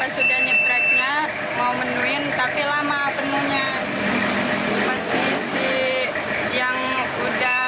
empat ratus sudah penuh